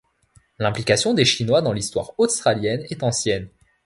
L'implication des Chinois dans l'histoire australienne est ancienne.